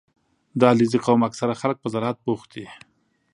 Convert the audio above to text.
• د علیزي قوم اکثره خلک په زراعت بوخت دي.